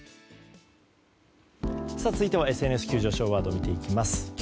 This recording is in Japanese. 続いてはＳＮＳ急上昇ワード見ていきます。